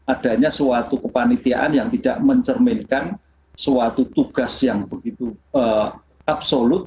adanya suatu kepanitiaan yang tidak mencerminkan suatu tugas yang begitu absolut